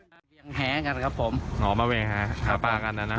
แหงแหกันครับผมอ๋อมาเวียงแหาหาปลากันดังนั้นนะ